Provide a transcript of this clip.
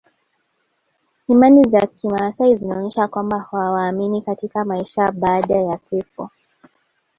Imani za kimaasai zinaonyesha kwamba hawaamini katika maisha baada ya kifo